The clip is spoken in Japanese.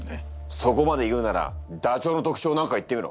そこまで言うならダチョウの特徴何か言ってみろ！